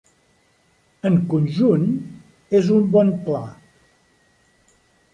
En conjunt és un bon pla.